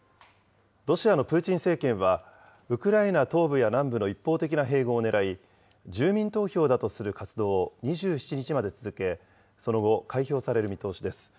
ロシアのプーチン政権は、ウクライナ東部や南部の一方的な併合をねらい、住民投票だとする活動を２７日まで続け、その後、開票される見通しです。